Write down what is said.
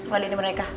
waliin sama mereka